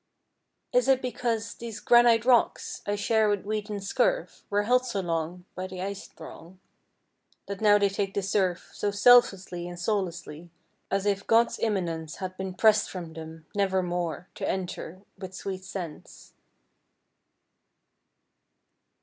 Is it because these granite rocks I share with weed and scurf Were held so long By the ice throng That now they take the surf So selflessly and soullessly, As if God's Immanence Had been pressed from them, never more To enter, with sweet sense?